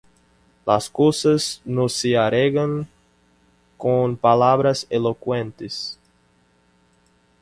Las cosas no se arreglan con palabras elocuentes.